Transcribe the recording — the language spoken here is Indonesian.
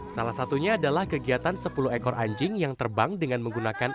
salah satunya adalah kegiatan sepuluh ekor anjing yang terbang dengan menggunakan